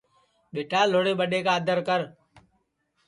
ٻیٹا لھوڑے ٻڈؔے آدر کر